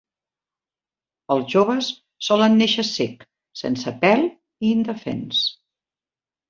Els joves solen néixer cec, sense pèl, i indefens.